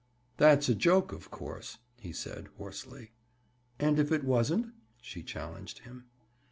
"That's a joke, of course," he said hoarsely. "And if it wasn't?" she challenged him.